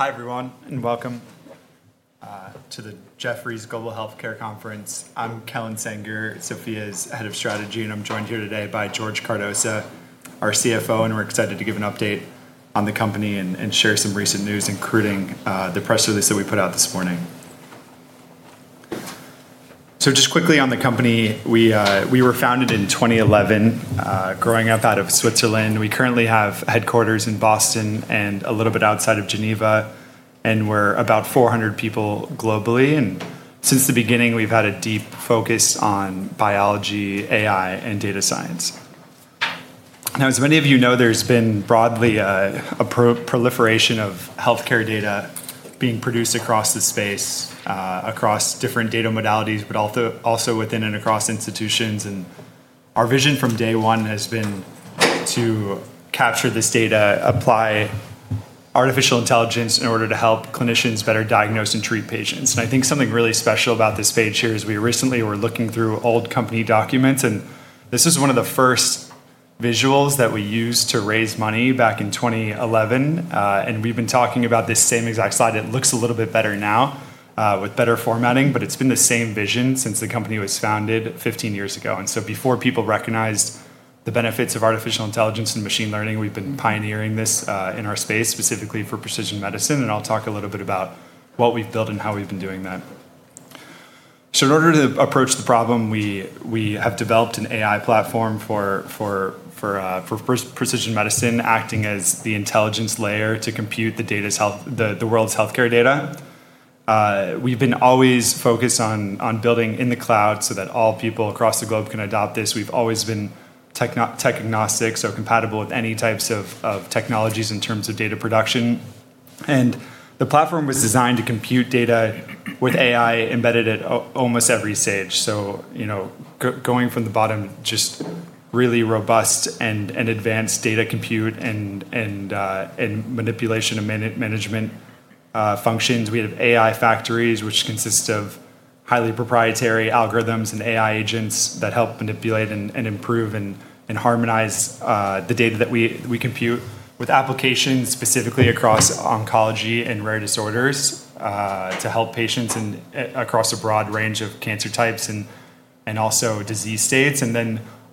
Hi, everyone, and welcome to the Jefferies Global Healthcare Conference. I'm Kellen Sanger, SOPHiA's Head of Strategy, and I'm joined here today by George Cardoza, our CFO, and we're excited to give an update on the company and share some recent news, including the press release that we put out this morning. Just quickly on the company, we were founded in 2011. Growing up out of Switzerland, we currently have headquarters in Boston and a little bit outside of Geneva, and we're about 400 people globally. Since the beginning, we've had a deep focus on biology, AI, and data science. Now, as many of you know, there's been broadly a proliferation of healthcare data being produced across the space, across different data modalities, but also within and across institutions. Our vision from day one has been to capture this data, apply artificial intelligence in order to help clinicians better diagnose and treat patients. I think something really special about this page here is we recently were looking through old company documents, and this is one of the first visuals that we used to raise money back in 2011. We've been talking about this same exact slide. It looks a little bit better now with better formatting, but it's been the same vision since the company was founded 15 years ago. Before people recognized the benefits of artificial intelligence and machine learning, we've been pioneering this in our space, specifically for precision medicine, and I'll talk a little bit about what we've built and how we've been doing that. In order to approach the problem, we have developed an AI platform for precision medicine, acting as the intelligence layer to compute the world's healthcare data. We've been always focused on building in the cloud so that all people across the globe can adopt this. We've always been tech agnostic, so compatible with any types of technologies in terms of data production. The platform was designed to compute data with AI embedded at almost every stage. Going from the bottom, just really robust and advanced data compute and manipulation and management functions. We have AI factories which consist of highly proprietary algorithms and AI agents that help manipulate and improve and harmonize the data that we compute with applications specifically across oncology and rare disorders to help patients across a broad range of cancer types and also disease states.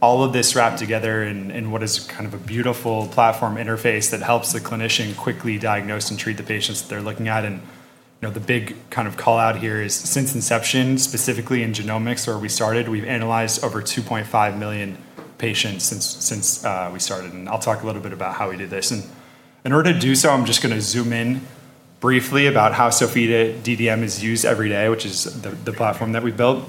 All of this wrapped together in what is kind of a beautiful platform interface that helps the clinician quickly diagnose and treat the patients that they're looking at. The big call-out here is since inception, specifically in genomics where we started, we've analyzed over 2.5 million patients since we started, and I'll talk a little bit about how we did this. In order to do so, I'm just going to zoom in briefly about how SOPHiA DDM is used every day, which is the platform that we built.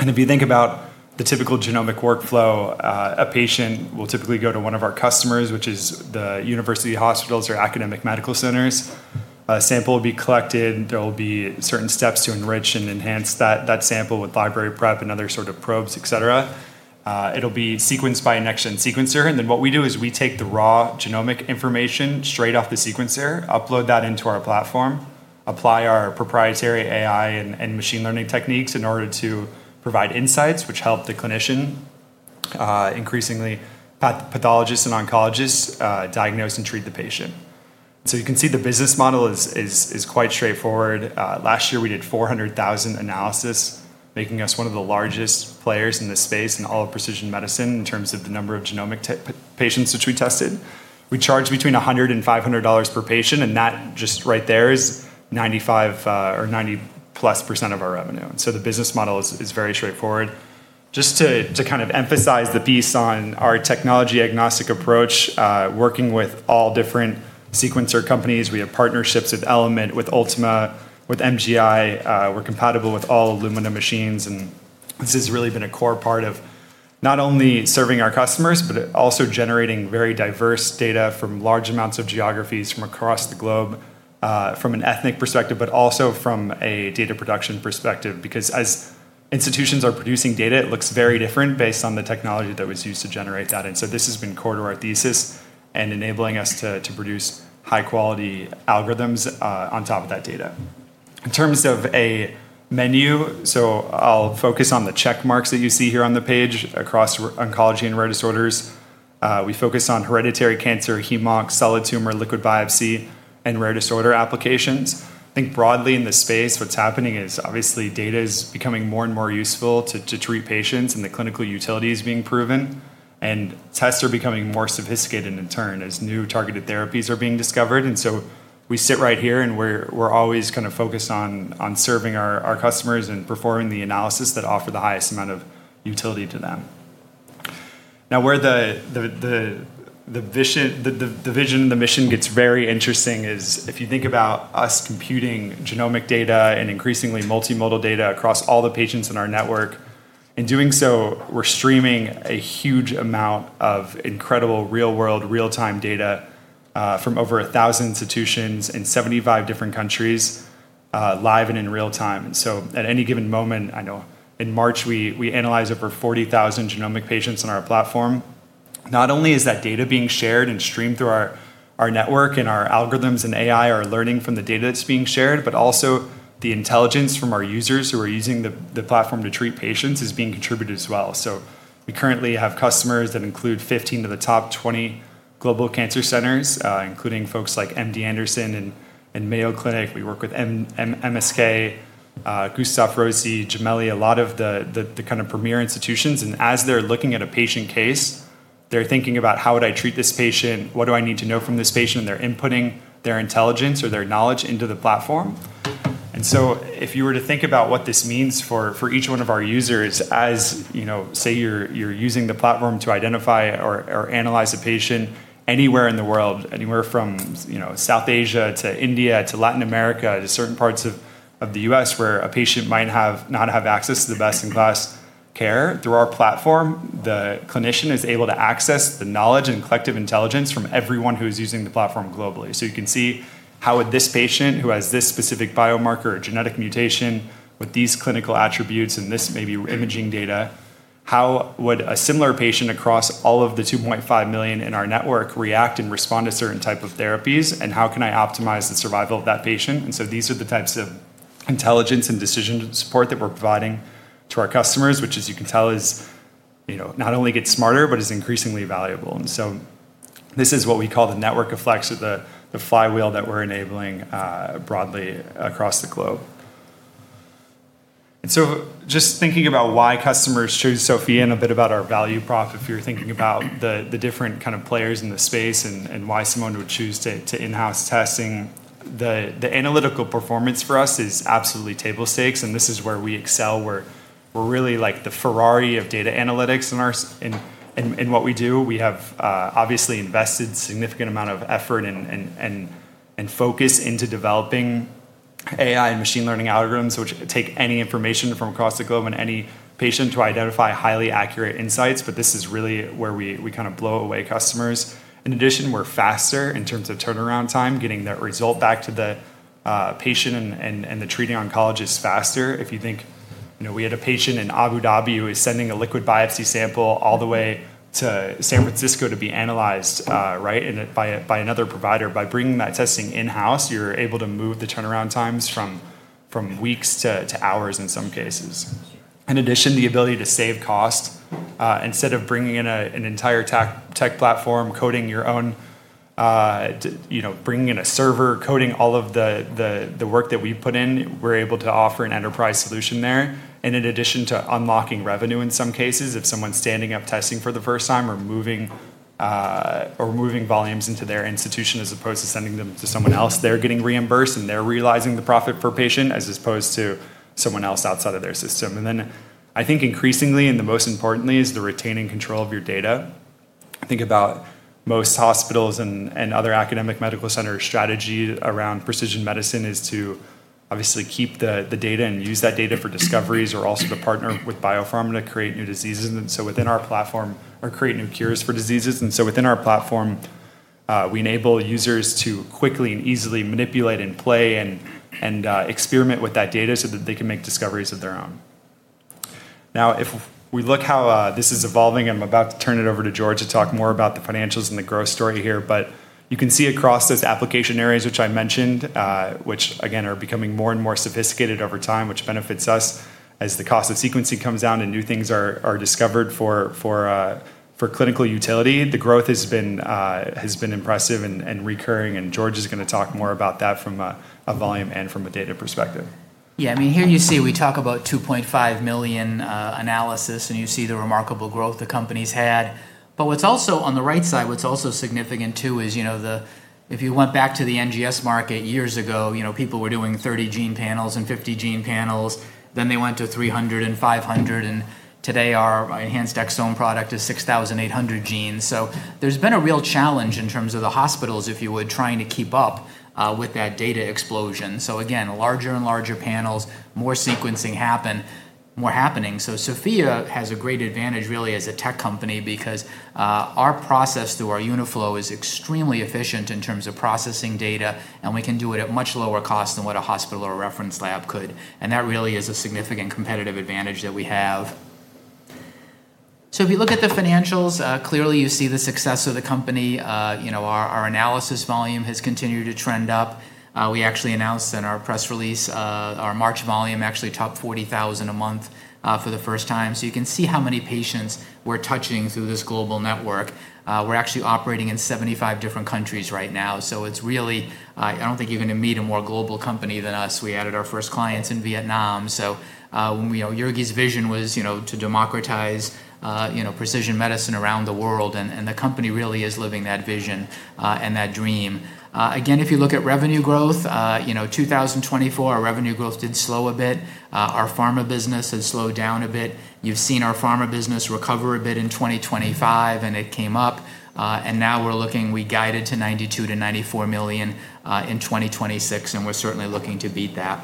If you think about the typical genomic workflow, a patient will typically go to one of our customers, which is the university hospitals or academic medical centers. A sample will be collected, there will be certain steps to enrich and enhance that sample with library prep and other sort of probes, etc.. It'll be sequenced by a NextSeq sequencer. What we do is we take the raw genomic information straight off the sequencer, upload that into our platform, apply our proprietary AI and machine learning techniques in order to provide insights which help the clinician, increasingly pathologists and oncologists diagnose and treat the patient. You can see the business model is quite straightforward. Last year, we did 400,000 analysis, making us one of the largest players in this space in all of precision medicine in terms of the number of genomic patients which we tested. We charge between $100 and $500 per patient. That just right there is 95% or 90-plus % of our revenue. The business model is very straightforward. Just to kind of emphasize the piece on our technology agnostic approach working with all different sequencer companies. We have partnerships with Element Biosciences, with Ultima Genomics, with MGI Tech Co., Ltd. We're compatible with all Illumina, Inc. machines, and this has really been a core part of not only serving our customers, but also generating very diverse data from large amounts of geographies from across the globe from an ethnic perspective, but also from a data production perspective. As institutions are producing data, it looks very different based on the technology that was used to generate that. This has been core to our thesis and enabling us to produce high-quality algorithms on top of that data. In terms of a menu, I'll focus on the check marks that you see here on the page across oncology and rare disorders. We focus on hereditary cancer, Hem-Onc, solid tumor, liquid biopsy, and rare disorder applications. I think broadly in this space, what's happening is obviously data is becoming more and more useful to treat patients, and the clinical utility is being proven, and tests are becoming more sophisticated in turn as new targeted therapies are being discovered. We sit right here, and we're always focused on serving our customers and performing the analysis that offer the highest amount of utility to them. Now, where the vision and the mission gets very interesting is if you think about us computing genomic data and increasingly multimodal data across all the patients in our network. In doing so, we're streaming a huge amount of incredible real-world, real-time data from over 1,000 institutions in 75 different countries live and in real time. At any given moment, I know in March, we analyzed over 40,000 genomic patients on our platform. Not only is that data being shared and streamed through our network and our algorithms and AI are learning from the data that's being shared, but also the intelligence from our users who are using the platform to treat patients is being contributed as well. We currently have customers that include 15 of the top 20 global cancer centers, including folks like MD Anderson and Mayo Clinic. We work with MSK, Gustave Roussy, Gemelli, a lot of the premier institutions. As they're looking at a patient case, they're thinking about. How would I treat this patient? What do I need to know from this patient? They're inputting their intelligence or their knowledge into the platform. If you were to think about what this means for each one of our users, say you're using the platform to identify or analyze a patient anywhere in the world, anywhere from South Asia to India to Latin America to certain parts of the U.S. where a patient might not have access to the best-in-class care. Through our platform, the clinician is able to access the knowledge and collective intelligence from everyone who is using the platform globally. You can see how would this patient, who has this specific biomarker or genetic mutation with these clinical attributes and this maybe imaging data, how would a similar patient across all of the 2.5 million in our network react and respond to certain type of therapies, and how can I optimize the survival of that patient? These are the types of intelligence and decision support that we're providing to our customers, which as you can tell not only gets smarter, but is increasingly valuable. This is what we call the network effect or the flywheel that we're enabling broadly across the globe. Just thinking about why customers choose SOPHiA and a bit about our value prop, if you're thinking about the different kind of players in the space and why someone would choose to in-house testing, the analytical performance for us is absolutely table stakes, and this is where we excel. We're really like the Ferrari of data analytics in what we do. We have obviously invested significant amount of effort and focus into developing AI and machine learning algorithms, which take any information from across the globe and any patient to identify highly accurate insights. This is really where we blow away customers. In addition, we're faster in terms of turnaround time, getting that result back to the patient and the treating oncologist faster. If you think we had a patient in Abu Dhabi who is sending a liquid biopsy sample all the way to San Francisco to be analyzed by another provider. By bringing that testing in-house, you're able to move the turnaround times from weeks to hours in some cases. In addition, the ability to save cost. Instead of bringing in an entire tech platform, bringing in a server, coding all of the work that we've put in, we're able to offer an enterprise solution there. In addition to unlocking revenue in some cases, if someone's standing up testing for the first time or moving volumes into their institution as opposed to sending them to someone else, they're getting reimbursed and they're realizing the profit per patient as opposed to someone else outside of their system. Then I think increasingly and the most importantly is the retaining control of your data. Think about most hospitals' and other academic medical center strategy around precision medicine is to obviously keep the data and use that data for discoveries or also to partner with biopharma to create new cures for diseases. Within our platform, we enable users to quickly and easily manipulate and play and experiment with that data so that they can make discoveries of their own. If we look how this is evolving, I'm about to turn it over to George to talk more about the financials and the growth story here. You can see across those application areas, which I mentioned, which again, are becoming more and more sophisticated over time, which benefits us as the cost of sequencing comes down and new things are discovered for clinical utility. The growth has been impressive and recurring. George is going to talk more about that from a volume and from a data perspective. Yeah. Here you see we talk about 2.5 million analysis, and you see the remarkable growth the company's had. On the right side, what's also significant too is if you went back to the NGS market years ago, people were doing 30-gene panels and 50-gene panels, then they went to 300 and 500, and today our enhanced exome product is 6,800 genes. There's been a real challenge in terms of the hospitals, if you would, trying to keep up with that data explosion. Again, larger and larger panels, more sequencing happening. SOPHiA has a great advantage really as a tech company because our process through our Uniflow is extremely efficient in terms of processing data, and we can do it at much lower cost than what a hospital or a reference lab could. That really is a significant competitive advantage that we have. If you look at the financials, clearly you see the success of the company. Our analysis volume has continued to trend up. We actually announced in our press release our March volume actually topped 40,000 a month for the first time. You can see how many patients we're touching through this global network. We're actually operating in 75 different countries right now. I don't think you're going to meet a more global company than us. We added our first clients in Vietnam. Jürg's vision was to democratize precision medicine around the world, and the company really is living that vision and that dream. Again, if you look at revenue growth, 2024, our revenue growth did slow a bit. Our pharma business has slowed down a bit. You've seen our pharma business recover a bit in 2025, and it came up. We guided to $92 million-$94 million in 2026, and we're certainly looking to beat that.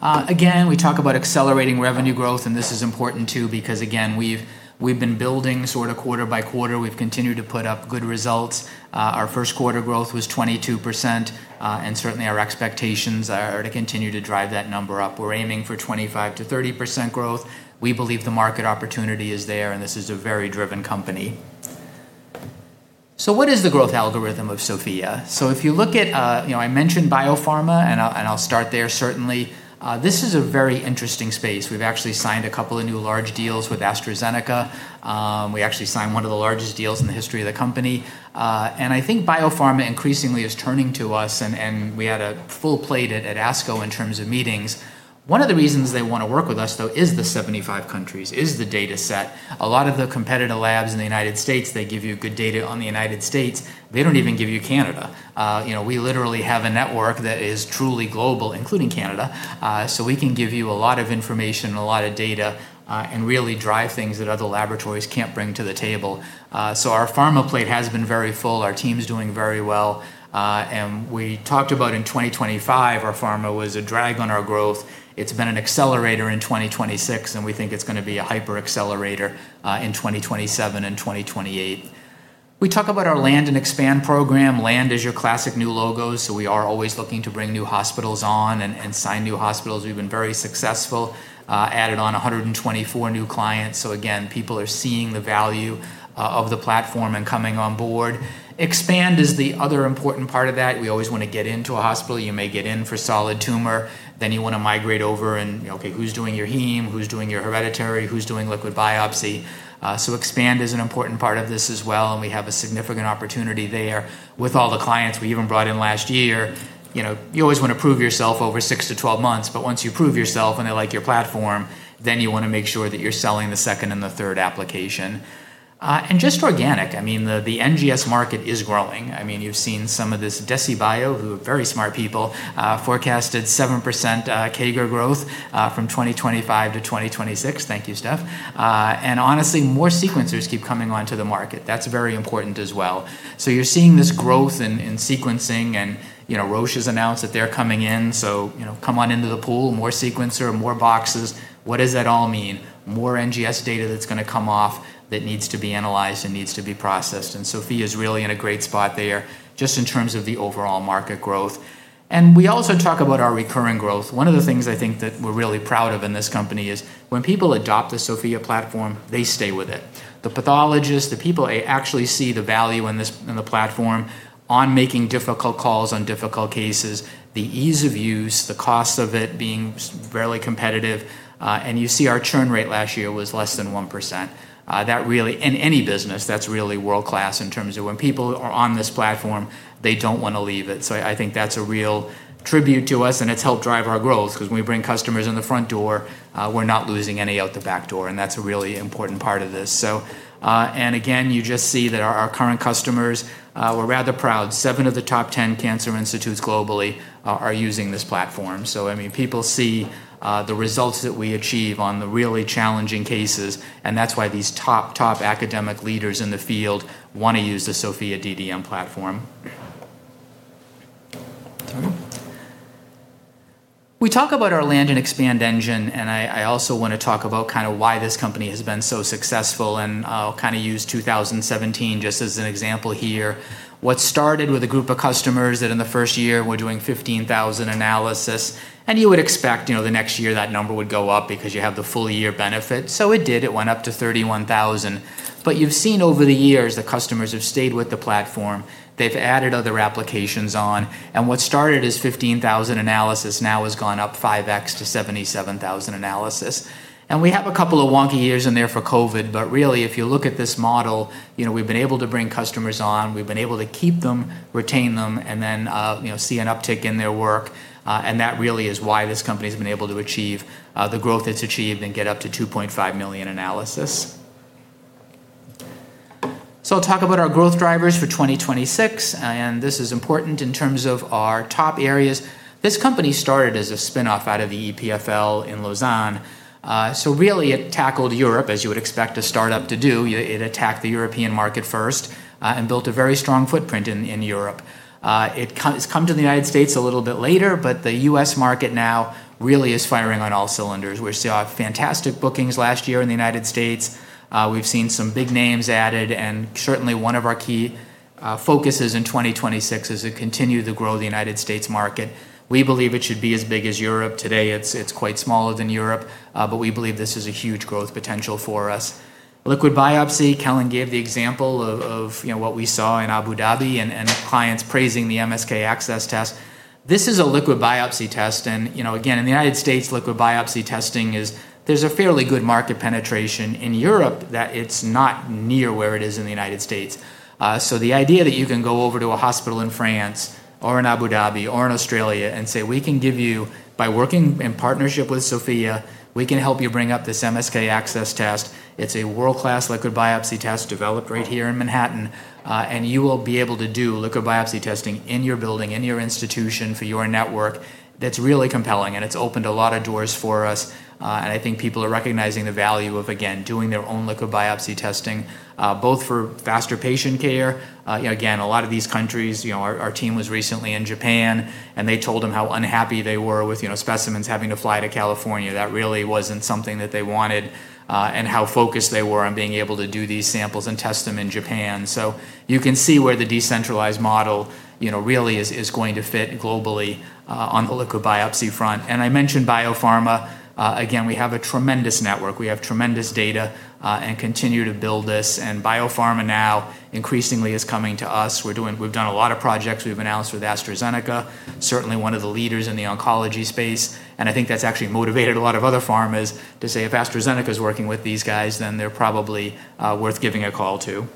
We talk about accelerating revenue growth, and this is important too because, again, we've been building sort of quarter by quarter. We've continued to put up good results. Our first quarter growth was 22%, and certainly our expectations are to continue to drive that number up. We're aiming for 25%-30% growth. We believe the market opportunity is there, and this is a very driven company. What is the growth algorithm of SOPHiA? If you look at, I mentioned biopharma and I'll start there certainly. This is a very interesting space. We've actually signed a couple of new large deals with AstraZeneca. We actually signed one of the largest deals in the history of the company. I think biopharma increasingly is turning to us and we had a full plate at ASCO in terms of meetings. One of the reasons they want to work with us though is the 75 countries, is the data set. A lot of the competitor labs in the United States, they give you good data on the United States. They don't even give you Canada. We literally have a network that is truly global, including Canada. We can give you a lot of information, a lot of data, and really drive things that other laboratories can't bring to the table. Our pharma plate has been very full. Our team's doing very well. We talked about in 2025, our pharma was a drag on our growth. It's been an accelerator in 2026, and we think it's going to be a hyper accelerator in 2027 and 2028. We talk about our land and expand program. Land is your classic new logos. We are always looking to bring new hospitals on and sign new hospitals. We've been very successful, added on 124 new clients. Again, people are seeing the value of the platform and coming on board. Expand is the other important part of that. We always want to get into a hospital. You may get in for solid tumor, then you want to migrate over and, okay, who's doing your Hem? Who's doing your hereditary? Who's doing liquid biopsy? Expand is an important part of this as well, and we have a significant opportunity there with all the clients we even brought in last year. You always want to prove yourself over 6 to 12 months, but once you prove yourself and they like your platform, then you want to make sure that you're selling the second and the third application. Just organic. I mean, the NGS market is growing. You've seen some of this. DeciBio, who are very smart people, forecasted 7% CAGR growth from 2025 to 2026. Thank you, Steph. Honestly, more sequencers keep coming onto the market. That's very important as well. You're seeing this growth in sequencing and Roche has announced that they're coming in. Come on into the pool, more sequencer, more boxes. What does that all mean? More NGS data that's going to come off that needs to be analyzed and needs to be processed. SOPHiA is really in a great spot there just in terms of the overall market growth. We also talk about our recurring growth. One of the things I think that we're really proud of in this company is when people adopt the SOPHiA platform, they stay with it. The pathologists, the people actually see the value in the platform on making difficult calls on difficult cases, the ease of use, the cost of it being fairly competitive. You see our churn rate last year was less than 1%. In any business, that's really world-class in terms of when people are on this platform, they don't want to leave it. I think that's a real tribute to us, and it's helped drive our growth because when we bring customers in the front door, we're not losing any out the back door, and that's a really important part of this. Again, you just see that our current customers, we're rather proud. Seven of the top 10 cancer institutes globally are using this platform. People see the results that we achieve on the really challenging cases, and that's why these top academic leaders in the field want to use the SOPHiA DDM platform. We talk about our land and expand engine, and I also want to talk about why this company has been so successful, and I'll use 2017 just as an example here. What started with a group of customers that in the first year were doing 15,000 analysis, and you would expect the next year that number would go up because you have the full year benefit. It did. It went up to 31,000. You've seen over the years that customers have stayed with the platform. They've added other applications on, and what started as 15,000 analysis now has gone up 5X to 77,000 analysis. We have a couple of wonky years in there for COVID, but really, if you look at this model, we've been able to bring customers on, we've been able to keep them, retain them, and then see an uptick in their work. That really is why this company has been able to achieve the growth it's achieved and get up to 2.5 million analysis. I'll talk about our growth drivers for 2026, and this is important in terms of our top areas. This company started as a spin-off out of EPFL in Lausanne. Really, it tackled Europe, as you would expect a startup to do. It attacked the European market first, and built a very strong footprint in Europe. It's come to the United States a little bit later, but the U.S. market now really is firing on all cylinders. We saw fantastic bookings last year in the United States Certainly one of our key focuses in 2026 is to continue to grow the United States market. We believe it should be as big as Europe. Today, it's quite smaller than Europe. We believe this is a huge growth potential for us. Liquid biopsy, Kellen gave the example of what we saw in Abu Dhabi and clients praising the MSK-ACCESS Test. This is a liquid biopsy test. Again, in the United States, liquid biopsy testing, there's a fairly good market penetration. In Europe, that it's not near where it is in the United States. The idea that you can go over to a hospital in France or in Abu Dhabi or in Australia and say, "By working in partnership with SOPHiA, we can help you bring up this MSK-ACCESS test. It's a world-class liquid biopsy test developed right here in Manhattan, and you will be able to do liquid biopsy testing in your building, in your institution for your network." That's really compelling, and it's opened a lot of doors for us. I think people are recognizing the value of, again, doing their own liquid biopsy testing both for faster patient care. Again, a lot of these countries, our team was recently in Japan, and they told them how unhappy they were with specimens having to fly to California. That really wasn't something that they wanted, and how focused they were on being able to do these samples and test them in Japan. You can see where the decentralized model really is going to fit globally on the liquid biopsy front. I mentioned biopharma. Again, we have a tremendous network. We have tremendous data, and continue to build this. Biopharma now increasingly is coming to us. We've done a lot of projects. We've announced with AstraZeneca, certainly one of the leaders in the oncology space, and I think that's actually motivated a lot of other pharmas to say, if AstraZeneca is working with these guys, then they're probably worth giving a call to.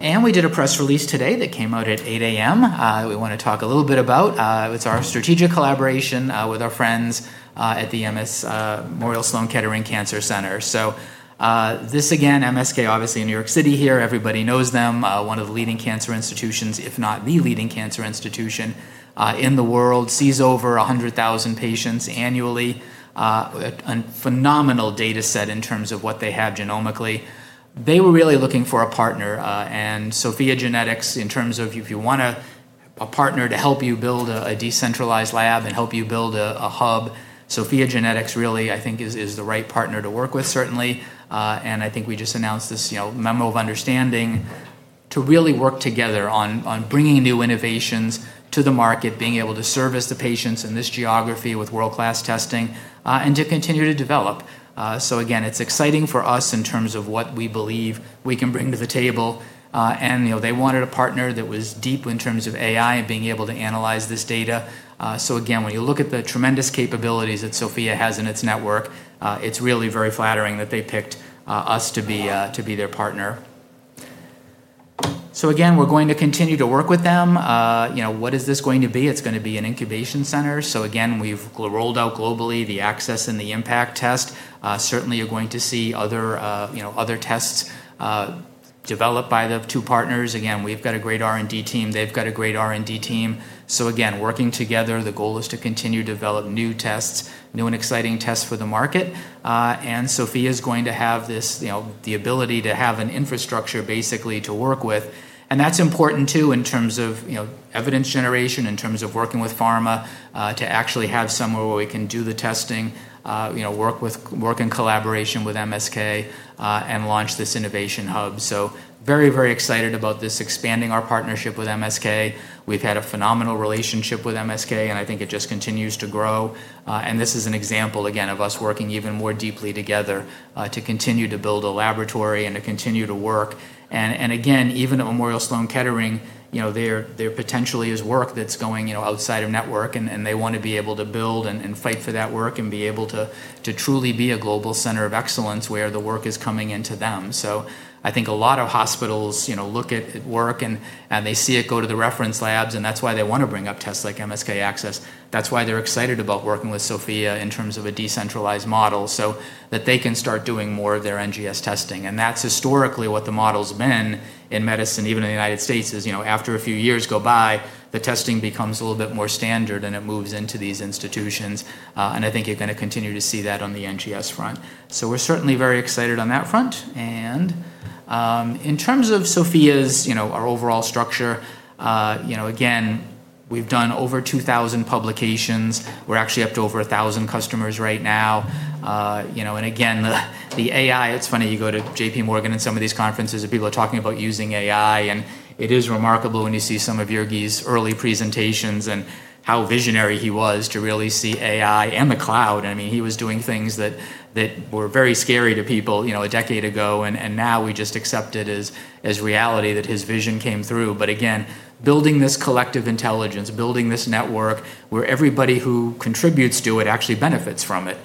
We did a press release today that came out at 8:00 a.m. We want to talk a little bit about. It's our strategic collaboration with our friends at Memorial Sloan Kettering Cancer Center. This again, MSK, obviously in New York City here, everybody knows them. One of the leading cancer institutions, if not the leading cancer institution in the world. Sees over 100,000 patients annually. A phenomenal data set in terms of what they have genomically. They were really looking for a partner, SOPHiA GENETICS, in terms of if you want a partner to help you build a decentralized lab and help you build a hub, SOPHiA GENETICS really, I think, is the right partner to work with, certainly. I think we just announced this memo of understanding to really work together on bringing new innovations to the market, being able to service the patients in this geography with world-class testing, and to continue to develop. Again, it's exciting for us in terms of what we believe we can bring to the table. They wanted a partner that was deep in terms of AI and being able to analyze this data. Again, when you look at the tremendous capabilities that SOPHiA has in its network, it's really very flattering that they picked us to be their partner. Again, we're going to continue to work with them. What is this going to be? It's going to be an incubation center. Again, we've rolled out globally the MSK-ACCESS and the MSK-IMPACT test. Certainly, you're going to see other tests developed by the two partners. Again, we've got a great R&D team. They've got a great R&D team. Again, working together, the goal is to continue to develop new tests, new and exciting tests for the market. SOPHiA is going to have the ability to have an infrastructure, basically, to work with. That's important, too, in terms of evidence generation, in terms of working with pharma, to actually have somewhere where we can do the testing, work in collaboration with MSK, and launch this innovation hub. Very, very excited about this, expanding our partnership with MSK. We've had a phenomenal relationship with MSK, and I think it just continues to grow. This is an example, again, of us working even more deeply together, to continue to build a laboratory and to continue to work. Again, even at Memorial Sloan Kettering, there potentially is work that's going outside of network, and they want to be able to build and fight for that work and be able to truly be a global center of excellence where the work is coming into them. I think a lot of hospitals look at work and they see it go to the reference labs, and that's why they want to bring up tests like MSK-ACCESS. That's why they're excited about working with SOPHiA in terms of a decentralized model, so that they can start doing more of their NGS testing. That's historically what the model's been in medicine, even in the United States, is after a few years go by, the testing becomes a little bit more standard and it moves into these institutions. I think you're going to continue to see that on the NGS front. We're certainly very excited on that front. In terms of SOPHiA's overall structure, again, we've done over 2,000 publications. We're actually up to over 1,000 customers right now. Again, the AI, it's funny, you go to J.P. Morgan and some of these conferences and people are talking about using AI, and it is remarkable when you see some of Jürg's early presentations and how visionary he was to really see AI and the cloud. He was doing things that were very scary to people a decade ago, and now we just accept it as reality that his vision came through. Again, building this collective intelligence, building this network where everybody who contributes to it actually benefits from it.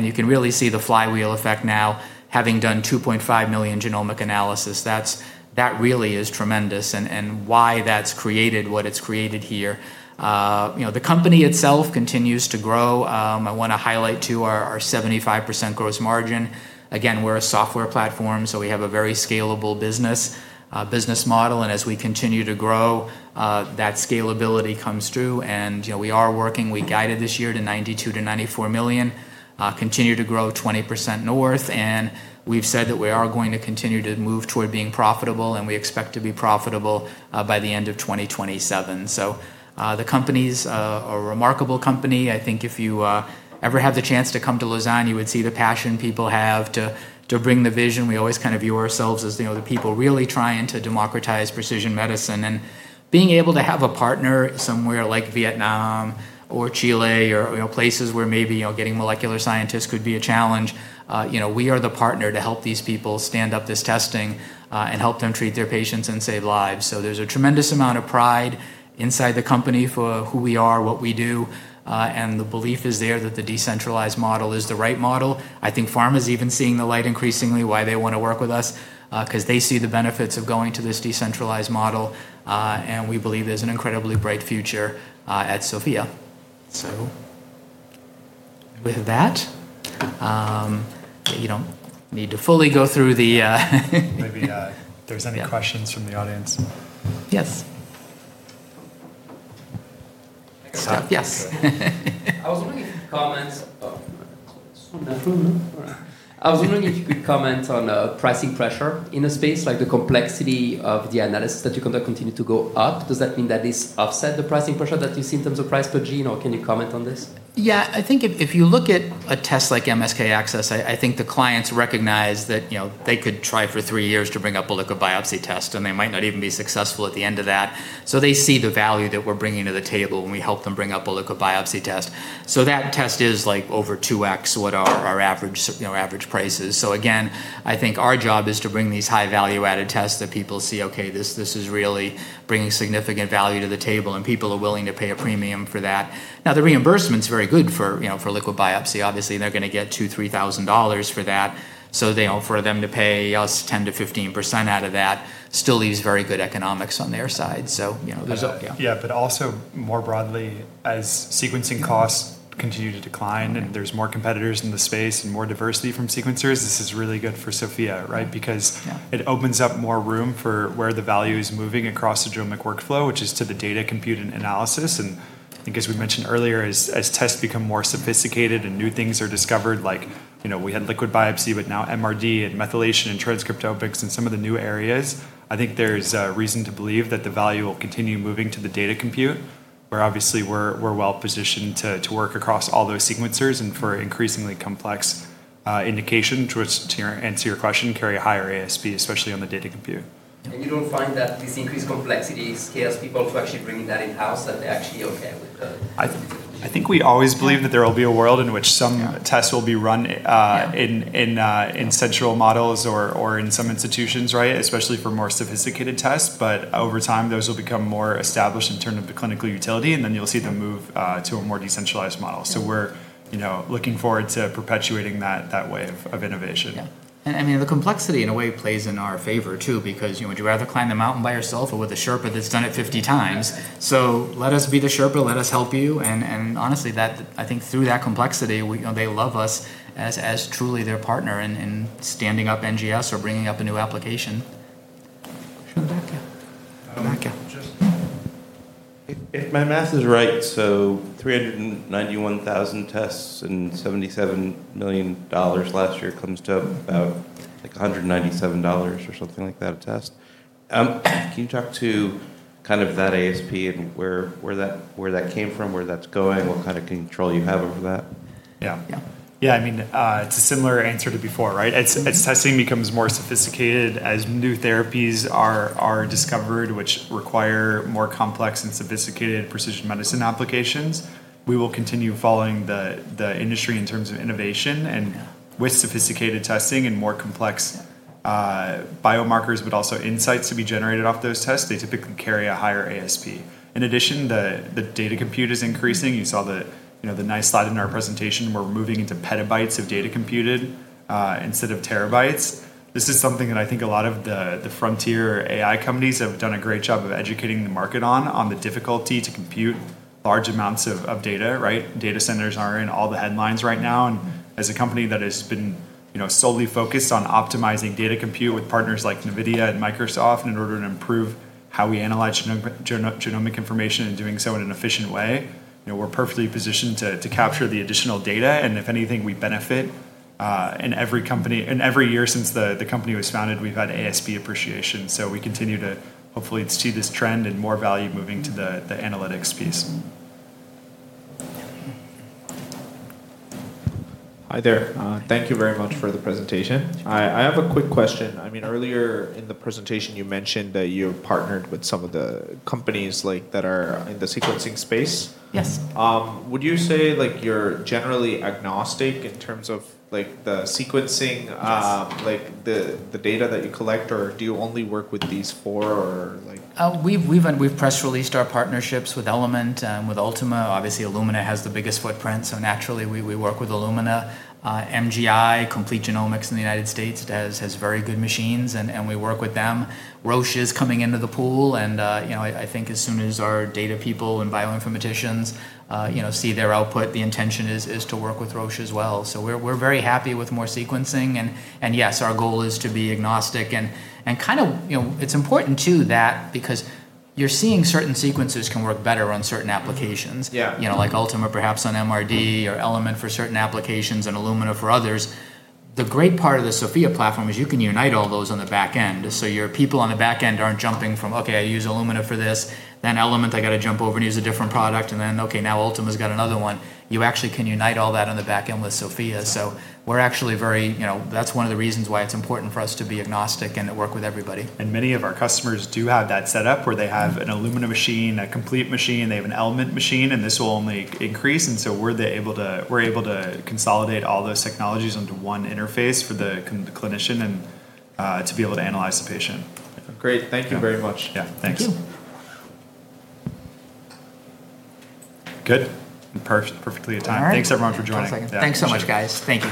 You can really see the flywheel effect now, having done 2.5 million genomic analysis. That really is tremendous and why that's created what it's created here. The company itself continues to grow. I want to highlight, too, our 75% gross margin. Again, we're a software platform, so we have a very scalable business model, and as we continue to grow, that scalability comes through, and we are working. We guided this year to $92 million-$94 million. Continue to grow 20% north, and we've said that we are going to continue to move toward being profitable, and we expect to be profitable by the end of 2027. The company's a remarkable company. I think if you ever have the chance to come to Lausanne, you would see the passion people have to bring the vision. We always view ourselves as the people really trying to democratize precision medicine. Being able to have a partner somewhere like Vietnam or Chile or places where maybe getting molecular scientists could be a challenge. We are the partner to help these people stand up this testing and help them treat their patients and save lives. There's a tremendous amount of pride inside the company for who we are, what we do, and the belief is there that the decentralized model is the right model. I think pharma's even seeing the light increasingly why they want to work with us, because they see the benefits of going to this decentralized model, and we believe there's an incredibly bright future at SOPHiA. With that, you don't need to fully go through the. Maybe if there's any questions from the audience. Yes. Yes. I was wondering if you could comment on pricing pressure in the space, like the complexity of the analysis that you conduct continue to go up. Does that mean that this offset the pricing pressure that you see in terms of price per gene, or can you comment on this? I think if you look at a test like MSK-ACCESS, I think the clients recognize that they could try for three years to bring up a liquid biopsy test, they might not even be successful at the end of that. They see the value that we're bringing to the table when we help them bring up a liquid biopsy test. That test is over 2X what our average price is. Again, I think our job is to bring these high value-added tests that people see, okay, this is really bringing significant value to the table, and people are willing to pay a premium for that. Now, the reimbursement's very good for liquid biopsy. Obviously, they're going to get $2,000, $3,000 for that. For them to pay us 10%-15% out of that still leaves very good economics on their side. Also more broadly, as sequencing costs continue to decline and there's more competitors in the space and more diversity from sequencers, this is really good for SOPHiA, right? Yeah. It opens up more room for where the value is moving across the genomic workflow, which is to the data compute and analysis, and I think as we mentioned earlier, as tests become more sophisticated and new things are discovered, like we had liquid biopsy, but now MRD and methylation and transcriptomics and some of the new areas, I think there's reason to believe that the value will continue moving to the data compute, where obviously we're well-positioned to work across all those sequencers and for increasingly complex indication, which to answer your question, carry a higher ASP, especially on the data compute. You don't find that this increased complexity scares people to actually bringing that in-house, that they're actually okay with? I think we always believe that there will be a world in which some tests will be run in central models or in some institutions, especially for more sophisticated tests. Over time, those will become more established in terms of the clinical utility, and then you'll see them move to a more decentralized model. We're looking forward to perpetuating that way of innovation. Yeah. The complexity in a way plays in our favor, too, because would you rather climb the mountain by yourself or with a Sherpa that's done it 50 times? Let us be the Sherpa, let us help you, and honestly, I think through that complexity, they love us as truly their partner in standing up NGS or bringing up a new application. Sure. In the back, yeah. In the back, yeah. If my math is right, 391,000 tests and $77 million last year comes to about $197 or something like that a test. Can you talk to that ASP and where that came from, where that's going, what kind of control you have over that? Yeah. Yeah. It's a similar answer to before, right? As testing becomes more sophisticated, as new therapies are discovered which require more complex and sophisticated precision medicine applications, we will continue following the industry in terms of innovation. With sophisticated testing and more complex biomarkers, but also insights to be generated off those tests, they typically carry a higher ASP. In addition, the data compute is increasing. You saw the nice slide in our presentation. We're moving into petabytes of data computed instead of terabytes. This is something that I think a lot of the frontier AI companies have done a great job of educating the market on the difficulty to compute large amounts of data. Data centers are in all the headlines right now. As a company that has been solely focused on optimizing data compute with partners like NVIDIA and Microsoft in order to improve how we analyze genomic information and doing so in an efficient way, we're perfectly positioned to capture the additional data. If anything, we benefit. In every year since the company was founded, we've had ASP appreciation. We continue to hopefully see this trend and more value moving to the analytics piece. Hi there. Thank you very much for the presentation. Thank you. I have a quick question. Earlier in the presentation, you mentioned that you have partnered with some of the companies that are in the sequencing space. Yes. Would you say you're generally agnostic in terms of the sequencing the data that you collect, or do you only work with these four? We've press released our partnerships with Element and with Ultima. Obviously, Illumina has the biggest footprint, so naturally, we work with Illumina. MGI, Complete Genomics in the United States, has very good machines, and we work with them. Roche is coming into the pool, and I think as soon as our data people and bioinformaticians see their output, the intention is to work with Roche as well. We're very happy with more sequencing, and yes, our goal is to be agnostic. It's important, too, that because you're seeing certain sequences can work better on certain applications. Yeah. Ultima perhaps on MRD or Element for certain applications and Illumina for others. The great part of the SOPHiA platform is you can unite all those on the back end, so your people on the back end aren't jumping from, "Okay, I use Illumina for this, then Element I got to jump over and use a different product, and then, okay, now Ultima's got another one." You actually can unite all that on the back end with SOPHiA. Yeah. That's one of the reasons why it's important for us to be agnostic and to work with everybody. Many of our customers do have that set up where they have an Illumina machine, a Complete machine, they have an Element machine, and this will only increase. We're able to consolidate all those technologies into one interface for the clinician and to be able to analyze the patient. Great. Thank you very much. Yeah. Thanks. Thank you. Good? I'm perfectly at time. All right. Thanks everyone, for joining. One second. Thanks so much, guys. Thank you